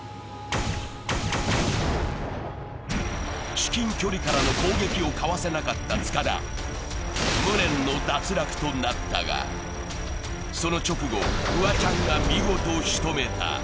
至近距離からの攻撃をかわせなかった塚田、無念の脱落となったが、その直後、フワちゃんが見事仕留めた。